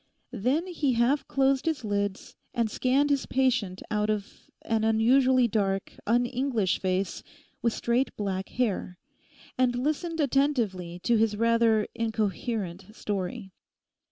Then he half closed his lids, and scanned his patient out of an unusually dark, un English face, with straight black hair, and listened attentively to his rather incoherent story.